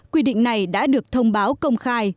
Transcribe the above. quy định này đã được thông báo công khai